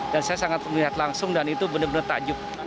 dan saya sangat melihat langsung dan itu benar benar tajuk